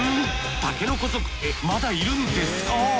竹の子族ってまだいるんですか？